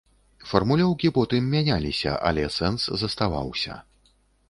Фармулёўкі потым мяняліся, але сэнс заставаўся.